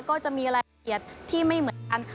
ก็จะมีรายละเอียดที่ไม่เหมือนกัน